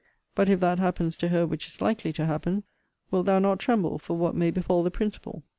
But if that happens to her which is likely to happen, wilt thou not tremble for what may befal the principal?